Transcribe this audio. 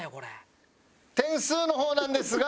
点数の方なんですが。